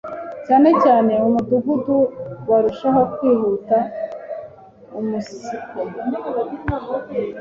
cyane cyane mu Mudugudu, burushaho kwihuta umunsiko